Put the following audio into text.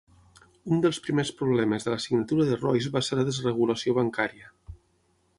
Un dels primers problemes de la signatura de Royce va ser la desregulació bancària.